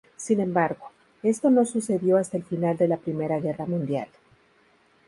Sin embargo, esto no sucedió hasta el final de la Primera Guerra Mundial.